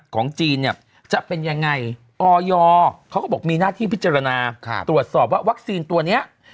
ของจีนเนี่ยจะเป็นยังไงออยเขาก็บอกมีหน้าที่พิจารณาตรวจสอบว่าวัคซีนตัวนี้